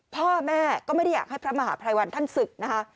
พ่อแม่ก็ไม่ได้อยากให้พระมหาภัยวันท่านศึกนะคะ